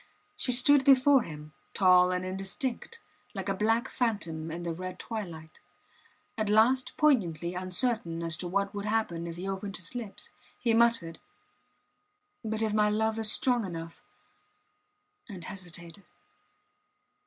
She stood before him, tall and indistinct, like a black phantom in the red twilight. At last poignantly uncertain as to what would happen if he opened his lips, he muttered: But if my love is strong enough ... and hesitated.